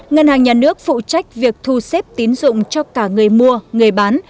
ngân hàng nhà nước phụ trách việc thu xếp tín dụng cho cả người mua người bán